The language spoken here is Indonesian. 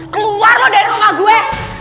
keluar loh dari rumah gue